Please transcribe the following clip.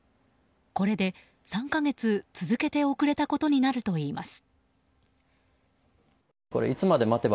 これで３か月続けて遅れたことになるといいます。